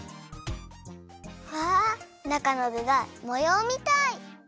わあっなかのぐがもようみたい！